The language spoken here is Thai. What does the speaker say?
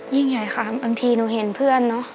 ยิ่งใหญ่ค่ะบางทีหนูเห็นเพื่อนเนอะ